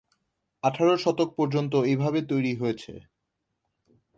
আঠারো শতক পর্যন্ত এইভাবে তৈরি হয়েছে।